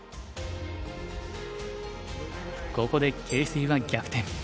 ここで形勢は逆転。